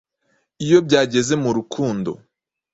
iyo byageze mu rukundo